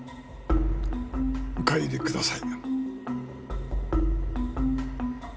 お帰りください。